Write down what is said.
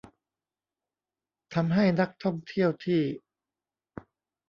ทำให้นักท่องเที่ยวที่